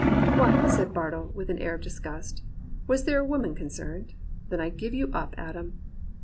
"* What !' said Bartle, with an air of disgust. *Was there a woman concerned.'^ Then I give you up, Adam.'